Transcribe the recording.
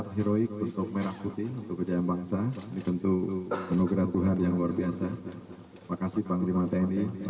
terima kasih kepada banyak pihak yang mengapresiasi joni